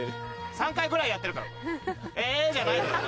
３ 回ぐらいやってるから「え！」じゃないんだよ。